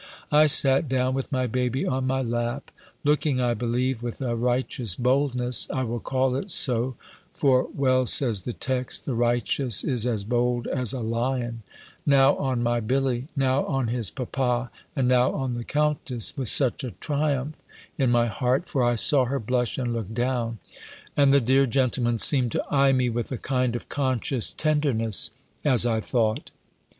I sat down with my baby on my lap, looking, I believe, with a righteous boldness (I will call it so; for well says the text, "The righteous is as bold as a lion,") now on my Billy, now on his papa, and now on the Countess, with such a triumph in my heart; for I saw her blush, and look down, and the dear gentleman seemed to eye me with a kind of conscious tenderness, as I thought.